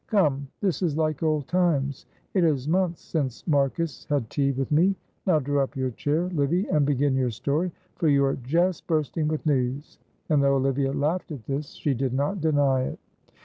Come, this is like old times. It is months since Marcus had tea with me. Now draw up your chair, Livy, and begin your story, for you are just bursting with news," and, though Olivia laughed at this, she did not deny it.